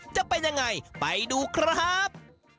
จะเป็นยังไงไปดูครับ